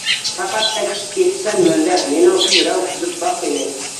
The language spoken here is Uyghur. پەقەت ئەكس ئېتىسەن مەندە، مېنىڭسىز رەڭ تۈزۈپ باق قېنى.